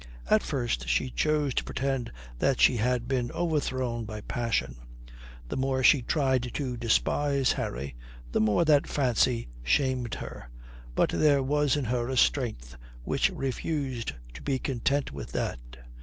At first she chose to pretend that she had been overthrown by passion. The more she tried to despise Harry, the more that fancy shamed her. But there was in her a strength which refused to be content with that.